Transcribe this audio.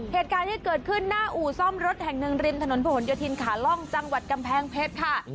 เหตุการณ์ที่เกิดขึ้นหน้าอู่ซ่อมรถแห่งหนึ่งริมถนนผนโยธินขาล่องจังหวัดกำแพงเพชรค่ะ